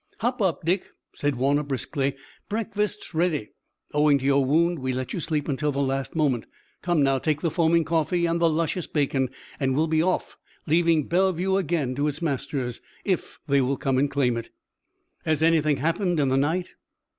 "Hop up, Dick," said Warner briskly. "Breakfast's ready. Owing to your wound we let you sleep until the last moment. Come now, take the foaming coffee and the luscious bacon, and we'll be off, leaving Bellevue again to its masters, if they will come and claim it." "Has anything happened in the night?"